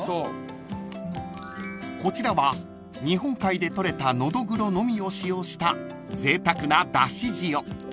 ［こちらは日本海で取れたのどぐろのみを使用したぜいたくなだし塩］